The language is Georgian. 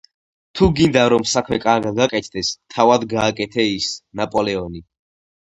„თუ გინდა, რომ საქმე კარგად გაკეთდეს, თავად გააკეთე ის.” – ნაპოლეონი.